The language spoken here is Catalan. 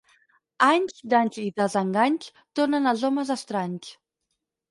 Anys, danys i desenganys, tornen els homes estranys.